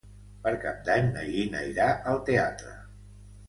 Per Cap d'Any na Gina irà al teatre.